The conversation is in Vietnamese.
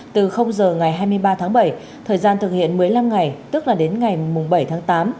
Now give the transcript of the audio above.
từ giờ ngày hai mươi ba tháng bảy thời gian thực hiện một mươi năm ngày tức là đến ngày bảy tháng tám